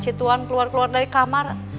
si tuan keluar keluar dari kamar